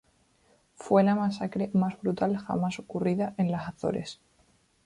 Fue la masacre más brutal jamás ocurrida en las Azores.